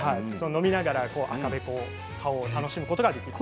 飲みながら、赤べこの顔を楽しむことができます。